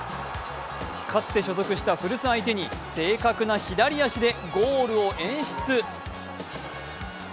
かつて所属した古巣相手に正確な左足でゴールを演出。